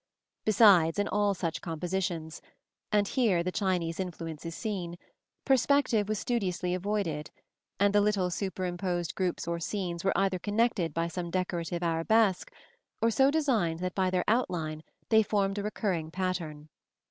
Besides, in all such compositions (and here the Chinese influence is seen) perspective was studiously avoided, and the little superimposed groups or scenes were either connected by some decorative arabesque, or so designed that by their outline they formed a recurring pattern.